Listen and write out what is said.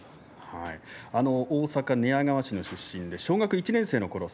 大阪寝屋川市の出身で小学１年生のころ